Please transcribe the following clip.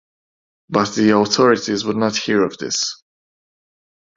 But the authorities would not hear of this.